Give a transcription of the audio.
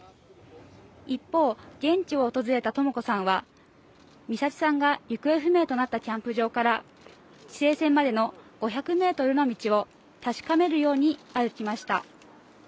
一方、現地を訪れたとも子さんは美咲さんが行方不明となったキャンプ場から規制線までの５００ｍの道を確かめるように歩きました。